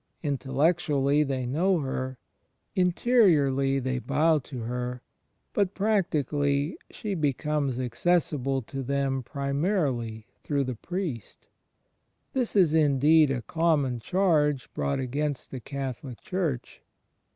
In tellectually they know of her; interiorly they bow to her; but, practically, she becomes accessible to them primarily through the priest. This is indeed a common charge brought against the Catholic Church.